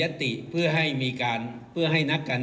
ไม่ที่มีระหว่าง